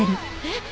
えっ？